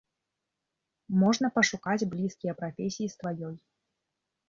Можна пашукаць блізкія прафесіі з тваёй.